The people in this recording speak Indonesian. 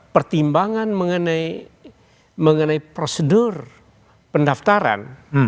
pertimbangan mengenai prosedur pendaftaran